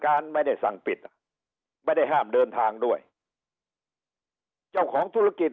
การไม่ได้สั่งปิดอ่ะไม่ได้ห้ามเดินทางด้วยเจ้าของธุรกิจ